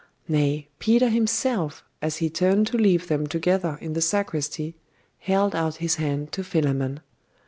Nay, Peter himself, as he turned to leave them together in the sacristy, held out his hand to Philammon.